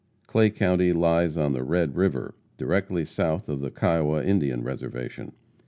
Clay county lies on the Red river, directly south of the Kiowa Indian reservation.